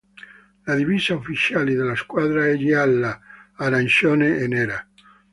La divisa ufficiale della squadra è gialla, arancione e nera.